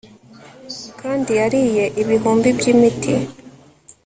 kandi yariye ibihumbi by'imitini